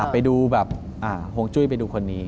ไปดูแบบห่วงจุ้ยไปดูคนนี้